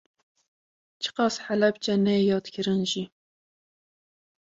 Çiqas Helepçe neyê yadkirin jî